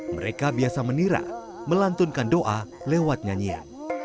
mereka biasa menira melantunkan doa lewat nyanyian